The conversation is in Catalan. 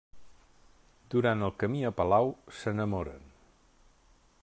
Durant el camí a palau s'enamoren.